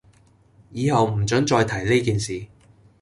以後唔准再提呢件事